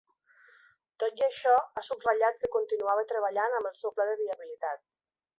Tot i això, ha subratllat que continuava treballant amb el seu pla de viabilitat.